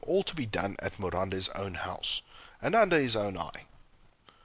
all to be done at Morande's own house, and under his own eye.